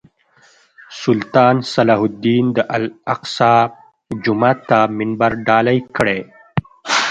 سلطان صلاح الدین د الاقصی جومات ته منبر ډالۍ کړی.